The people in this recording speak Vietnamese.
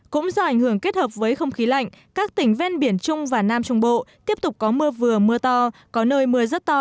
cũng do ảnh hưởng kết hợp với không khí lạnh các tỉnh ven biển trung và nam trung bộ tiếp tục có mưa vừa mưa to có nơi mưa rất to